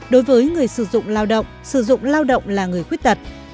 đối với người sử dụng lao động sử dụng lao động là người khuyết tật